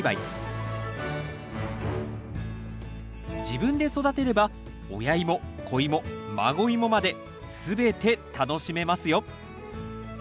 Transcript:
自分で育てれば親イモ子イモ孫イモまで全て楽しめますよ。